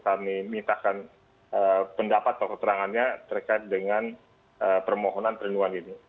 kami mintakan pendapat atau keterangannya terkait dengan permohonan perlindungan ini